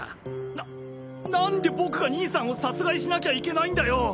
な何で僕が兄さんを殺害しなきゃいけないんだよ！？